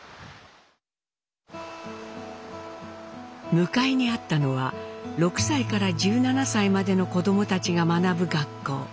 向かいにあったのは６歳から１７歳までの子どもたちが学ぶ学校。